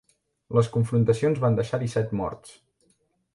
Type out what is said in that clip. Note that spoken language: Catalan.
Les confrontacions van deixar disset morts